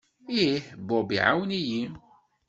Ih, Bob iɛawen-iyi.